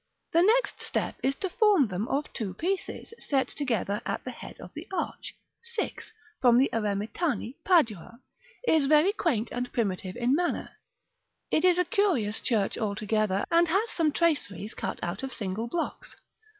The next step is to form them of two pieces, set together at the head of the arch. 6, from the Eremitani, Padua, is very quaint and primitive in manner: it is a curious church altogether, and has some strange traceries cut out of single blocks.